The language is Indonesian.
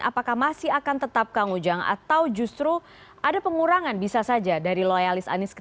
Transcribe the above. apakah masih akan tetap kang ujang atau justru ada pengurangan bisa saja dari loyalis anies